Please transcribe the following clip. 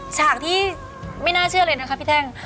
ฉากที่ไม่น่าเชื่อเลยนะคะพี่แท่ง